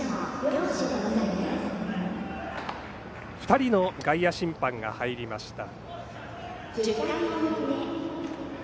２人の外野審判が入りました。